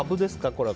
これは。